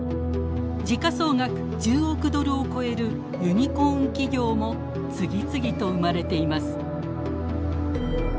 時価総額１０億ドルを超えるユニコーン企業も次々と生まれています。